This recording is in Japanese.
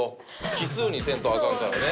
奇数にせんとアカンからね。